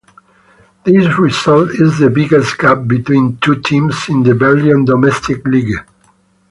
This result is the biggest gap between two teams in the Belgian Domestic League.